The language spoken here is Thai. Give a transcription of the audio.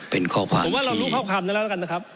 เป็นข้อความผมว่าเรารู้ข้อความได้แล้วแล้วกันนะครับ